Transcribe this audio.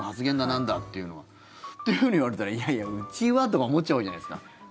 なんだというのは。というふうに言われたらいやいや、うちはとか思っちゃうじゃないですか。